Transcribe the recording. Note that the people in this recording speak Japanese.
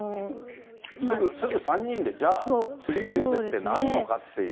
すぐ３人で、じゃあ、次の世でってなるのかっていう。